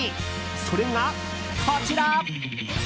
それがこちら。